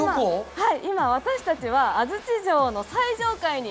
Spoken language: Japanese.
はい。